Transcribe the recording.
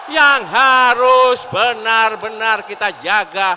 yang harus benar benar kita jaga